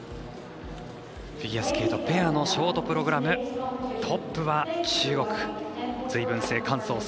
フィギュアスケートペアのショートプログラムトップは中国隋文静、韓聡